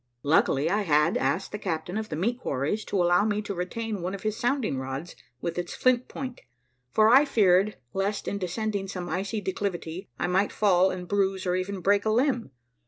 Luckily, I had asked the captain of the meat quarries to allow me to retain one of his sounding rods with its flint point, for I feared lest in descending some icy declivity I might fall and bruise, or even break, a limb.